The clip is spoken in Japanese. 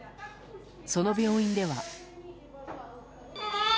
その病院では。